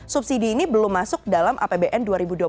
subsidi ini belum masuk dalam apbn dua ribu dua puluh